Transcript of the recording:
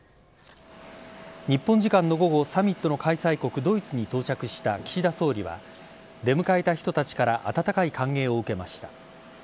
日本時間の午後サミットの開催国ドイツに到着した岸田総理は出迎えた人たちから温かい歓迎を受けました。